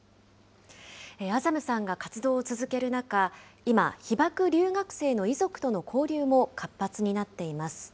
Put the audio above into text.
アザムさんが活動を続ける中、今、被爆留学生の遺族との交流も活発になっています。